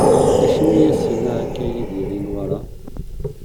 Acimi i as-yenna akka Yidir i Newwara?